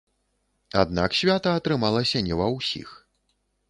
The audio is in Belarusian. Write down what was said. Аднак свята атрымалася не ва ўсіх.